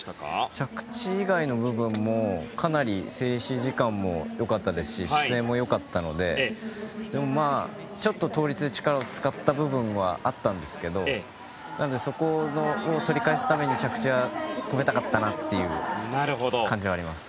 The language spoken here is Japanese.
着地以外の部分もかなり静止時間もよかったですし姿勢もよかったのでちょっと倒立で力を使った部分はあったんですがなのでそこを取り返すために着地は止めたかったなという感じはあります。